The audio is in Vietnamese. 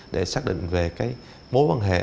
để xác định về mối quan hệ